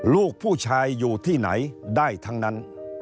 ลูกผู้ชายอยู่ที่ไหนได้ทั้งนั้น